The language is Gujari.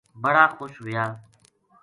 بڑا خوش ہویا